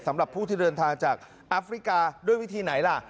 สำหรับผู้ที่เดินทางจากอัฟริกาด้วยวิธีไหนล่ะ